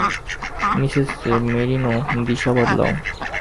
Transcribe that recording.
Mrs Merino, দিশা বদলাও।